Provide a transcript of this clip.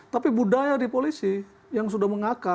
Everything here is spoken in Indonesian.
tapi budaya di polisi yang sudah mengakar